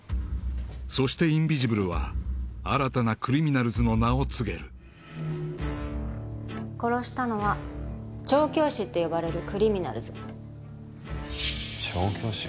そしてインビジブルは新たなクリミナルズの名を告げる殺したのは調教師って呼ばれるクリミナルズ調教師？